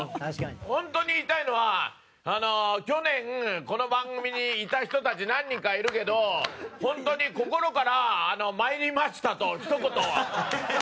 本当に言いたいのは去年この番組にいた人たち何人かいるけど本当に心から「参りました」とひと言。